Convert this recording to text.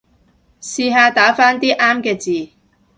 試下打返啲啱嘅字